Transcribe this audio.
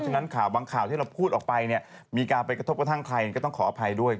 ฉะนั้นบางข่าวที่เราพูดออกไปมีการไปกระทบกับทางใครก็ต้องขออภัยด้วย